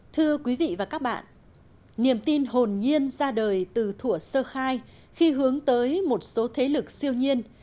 thưa quý vị và các bạn niềm tin hồn nhiên ra đời từ thủa sơ khai khi hướng tới một số thế lực siêu nhiên